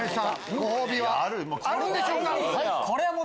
ご褒美はあるんでしょうか？